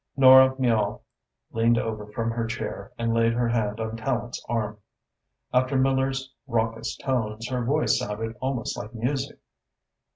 Nora Miall leaned over from her chair and laid her hand on Tallente's arm. After Miller's raucous tones, her voice sounded almost like music.